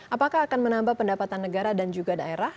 apakah akan menambah pendapatan negara dan juga daerah